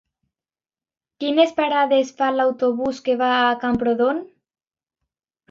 Quines parades fa l'autobús que va a Camprodon?